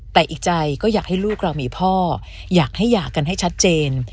แต่อีกใจก็อยากให้ลูกเรามีพ่ออยากให้หย่ากันให้ชัดเจน